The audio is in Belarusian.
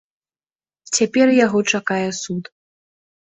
Цяпер яго чакае суд.